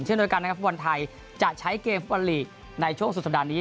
เช่นเดียวกันนะครับฟุตบอลไทยจะใช้เกมฟุตบอลลีกในช่วงสุดสัปดาห์นี้